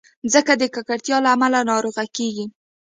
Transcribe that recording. مځکه د ککړتیا له امله ناروغه کېږي.